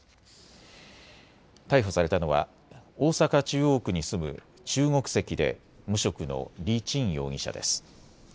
逮捕されたのは大阪中央区に住む中国籍で無職の李ちん容疑者です。